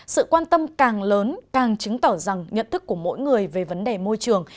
sự quan tâm càng lớn càng chứng tỏ rằng nhận thức của mỗi người về vấn đề môi trường